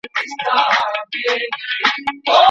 ناامیدي د پرمختګ دښمن دی.